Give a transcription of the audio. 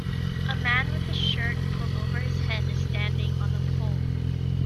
A man with his shirt pulled over his head is standing on a pole.